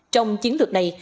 trong chiến lược này